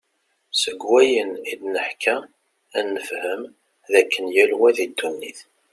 Seg wayen id-neḥka ad nefhem, d akken yal wa di ddunit.